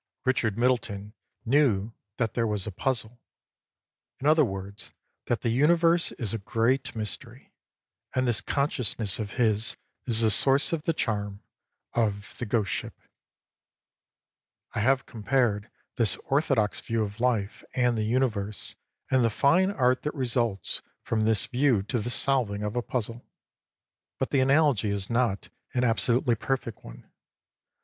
Richard Middleton knew that there was PREFACE xi a puzzle; in other words, that the universe is a great mystery ; and this consciousness of his is the source of the charm of " The Ghost Ship" I have compared this orthodox view of life and the universe and the fine art that results frisn this view to the solving of a puzzle; but the analogy is not an absolutely perfect one.